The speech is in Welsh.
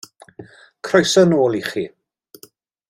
Croeso nôl i chi.